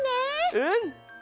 うん！